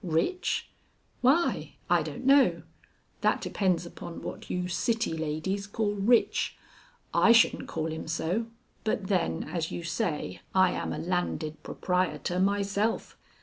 "Rich? Why, I don't know; that depends upon what you city ladies call rich; I shouldn't call him so, but then, as you say, I am a landed proprietor myself."